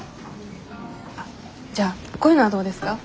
あっじゃあこういうのはどうですか？